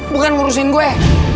bukan ngurusin gue